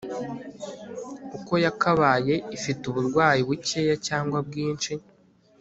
uko yakabaye ifite uburwayi bukeya cyangwa bwinshi